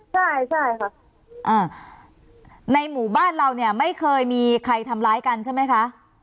ใช่ใช่ค่ะในหมู่บ้านเราเนี่ยไม่เคยมีใครทำร้ายกันใช่ไหมคะ